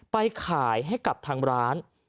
ไปขายให้กับทางร้าน